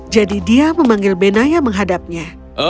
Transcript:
jadi dia memanggil benayal menghadapnya